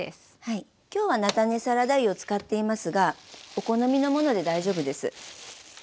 きょうは菜種サラダ油を使っていますがお好みのもので大丈夫です。